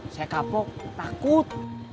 saya kapok takut